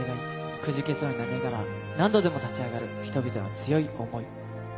くじけそうになりながら、何度でも立ち上がる人々の強い想い。